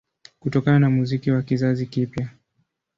Kutokana na muziki wa kizazi kipya